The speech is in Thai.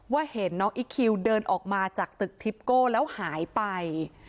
เห็นน้องอีคคิวเดินออกมาจากตึกทิปโก้แล้วหายไป